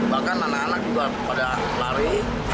bahkan anak anak juga pada lari